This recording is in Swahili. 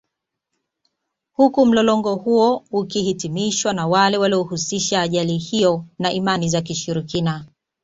Huku mlolongo huo ukihitimishwa na wale waliohusisha ajali hiyo na Imani za Kishirikina